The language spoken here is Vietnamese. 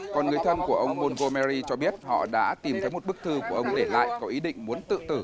còn người thân của ông monomeri cho biết họ đã tìm thấy một bức thư của ông để lại có ý định muốn tự tử